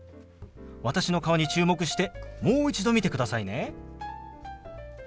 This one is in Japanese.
私の顔に注目してもう一度見てくださいね。